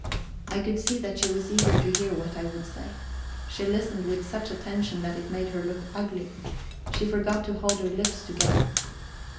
I could see that she was eager to hear what I would say. She listened with such attention that it made her look ugly; she forgot to hold her lips together.